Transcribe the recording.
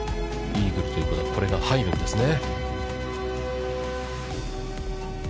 イーグルということでこれが入るんですね。